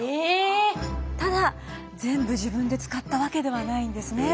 ただ全部自分で使ったわけではないんですね。